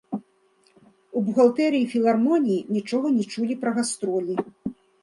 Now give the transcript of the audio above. У бухгалтэрыі філармоніі нічога не чулі пра гастролі.